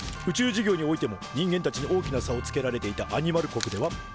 宇宙事業においても人間たちに大きな差をつけられていたアニマル国では。